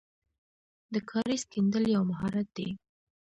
د کاریز کیندل یو مهارت دی.